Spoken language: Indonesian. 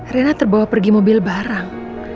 rena terbawa pergi mobil barang